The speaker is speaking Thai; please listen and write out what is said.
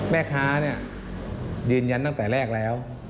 แม่ค้ายืนยันตั้งแต่แรกแล้ว